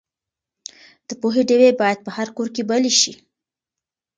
د پوهې ډیوې باید په هر کور کې بلې شي.